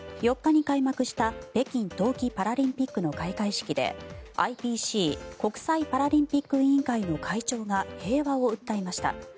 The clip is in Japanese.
４日に開幕した北京冬季パラリンピックの開会式でＩＰＣ・国際パラリンピック委員会の会長が平和を訴えました。